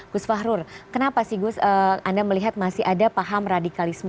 gus fahrur kenapa sih gus anda melihat masih ada paham radikalisme